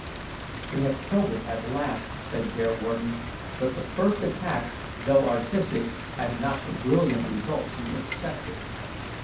"We have killed it at last," said Bearwarden "but the first attack, though artistic, had not the brilliant results we expected.